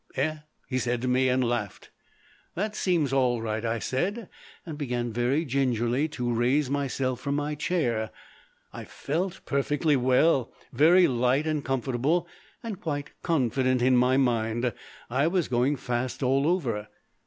"Eh?" he said to me, and laughed. "That seems all right," I said, and began very gingerly to raise myself from my chair. I felt perfectly well, very light and comfortable, and quite confident in my mind. I was going fast all over.